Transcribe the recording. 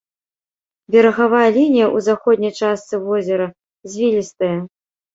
Берагавая лінія ў заходняй частцы возера звілістая.